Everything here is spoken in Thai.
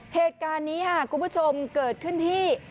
เหตุการณ์นี้ค่ะคุณผู้ชมเกิดขึ้นที่